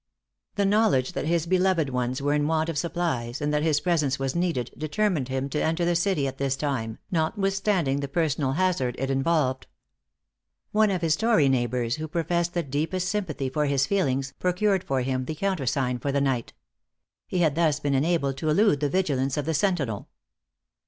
The knowledge that his beloved ones were in want of supplies, and that his presence was needed, determined him to enter the city at this time, notwithstanding the personal hazard it involved. One of his tory neighbors, who professed the deepest sympathy for his feelings, procured for him the countersign for the night. He had thus been enabled to elude the vigilance of the sentinel.